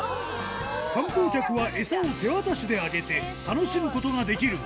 観光客は餌を手渡しであげて、楽しむことができるが。